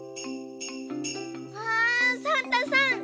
うわサンタさん